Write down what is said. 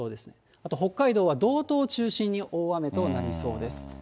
あと、北海道は道東を中心に大雨となりそうです。